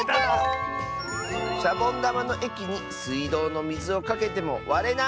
「シャボンだまのえきにすいどうのみずをかけてもわれない！」。